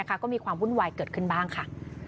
ก็มีความวุ่นวายเกิดขึ้นบ้างค่ะ